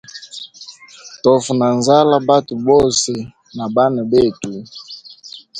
Tofa na nzala bwatwe bose na bana betu.